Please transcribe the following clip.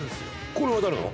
これは誰の？